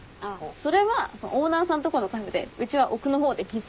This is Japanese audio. それはオーナーさんとこのカフェでうちは奥の方でひっそりやってんの。